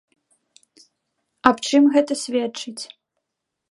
Аб чым гэта сведчыць?